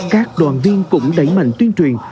các đoàn viên cũng đẩy mạnh tuyên truyền